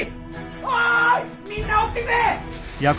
おいみんな起きてくれ！